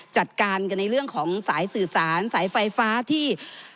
จัดการกันในเรื่องของสายสื่อสารสายไฟฟ้าที่